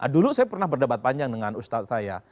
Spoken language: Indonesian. dulu saya pernah berdebat panjang dengan ustadz saya